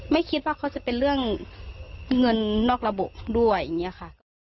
ไม่คิดว่าเขาจะเป็นเรื่องเงินนอกระบบด้วยอย่างนี้ค่ะ